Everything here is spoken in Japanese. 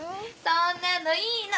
そんなのいいの！